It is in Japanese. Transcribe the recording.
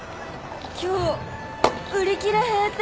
今日売り切れ閉店。